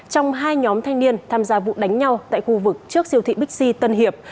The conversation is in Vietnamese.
trong hai nhóm thanh niên tham gia vụ đánh nhau tại khu vực trước siêu thị bixi tân hiệp